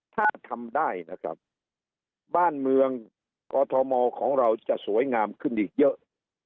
ถ้าทำได้นะครับบ้านเมืองกอทมของเราจะสวยงามขึ้นอีกเยอะ